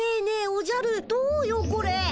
おじゃるどうよこれ。